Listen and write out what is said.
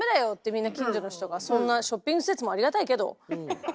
みんな近所の人がそんなショッピング施設もありがたいけどでもダメだよこれはっていう。